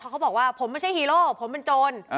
เขาบอกว่าผมไม่ใช่ฮีโร่ผมเป็นโจร